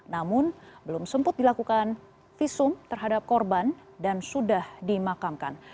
namun belum semput dilakukan visum terhadap korban dan sudah dimakamkan